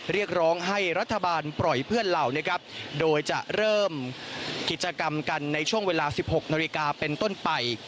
เรียกร้องให้รัฐบาลปล่อยเพื่อนเหล่านะครับโดยจะเริ่มกิจกรรมกันในช่วงเวลา๑๖นาฬิกาเป็นต้นไป